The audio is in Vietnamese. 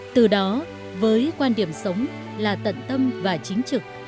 từ đó với quan điểm sống là tận tâm và chính trực